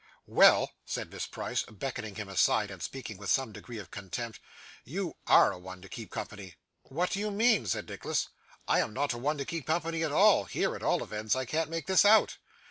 'Well,' said Miss Price, beckoning him aside, and speaking with some degree of contempt 'you ARE a one to keep company.' 'What do you mean?' said Nicholas; 'I am not a one to keep company at all here at all events. I can't make this out.